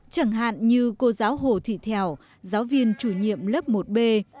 chẳng hạn như cô giáo hồ thị thảo giáo viên chủ nhiệm lớp một b